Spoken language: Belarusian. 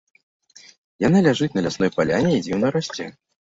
Яна ляжыць на лясной паляне і дзіўна расце.